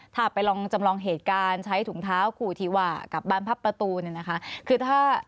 ถ้าไปลองจำลองเหตุการณ์ใช้ถุงเท้าขู่ทีว่ากลับบ้านพับประตูเนี่ยนะคะคือถ้า